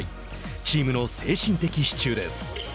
チームの精神的支柱です。